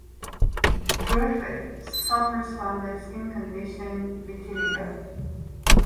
Griffith suffers from the skin condition vitiligo.